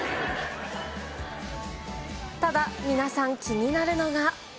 ただ、皆さん気になるのが。